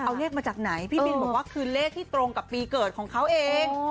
เอาเลขมาจากไหนพี่บินบอกว่าคือเลขที่ตรงกับปีเกิดของเขาเอง